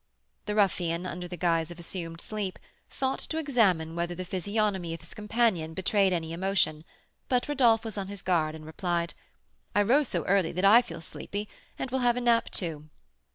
The ruffian, under the guise of assumed sleep, thought to examine whether the physiognomy of his companion betrayed any emotion; but Rodolph was on his guard, and replied: "I rose so early that I feel sleepy, and will have a nap, too."